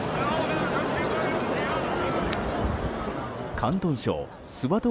広東省スワトー